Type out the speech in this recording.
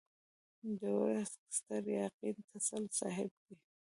د ورسک ستر ياغي تسل صاحب دی.